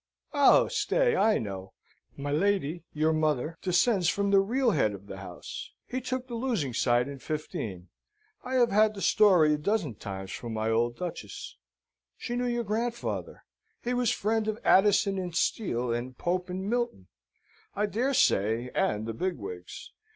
Oh, stay: I know, my lady, your mother, descends from the real head of the house. He took the losing side in '15. I have had the story a dozen times from my old Duchess. She knew your grandfather. He was friend of Addison and Steele, and Pope and Milton, I dare say, and the bigwigs.